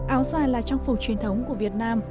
áo dài là trang phục truyền thống của việt nam